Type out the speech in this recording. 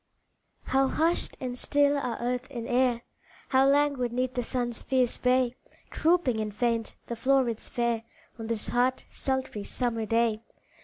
How hushed and still are earth and air, How languid 'neath the sun's fierce ray Drooping and faint the flowrets fair, On this hot, sultry, summer day!